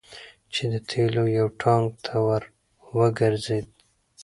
چې د تیلو یو ټانګ ته ور وګرځید.